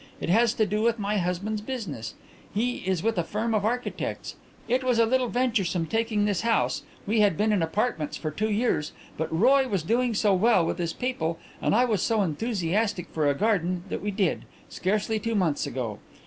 It has to do with my husband's business. He is with a firm of architects. It was a little venturesome taking this house we had been in apartments for two years but Roy was doing so well with his people and I was so enthusiastic for a garden that we did scarcely two months ago.